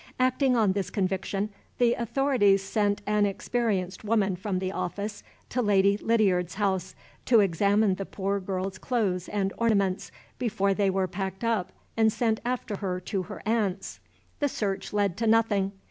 Acting on this conviction, the authorities sent an experienced woman from the office to Lady Lydiard's house, to examine the poor girl's clothes and ornaments before they were packed up and sent after her to her aunt's. The search led to nothing.